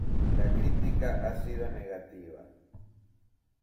La crítica ha sigo negativa.